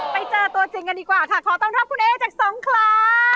ไปเจอตัวจริงกันดีกว่าค่ะขอต้อนรับคุณเอจากสงครา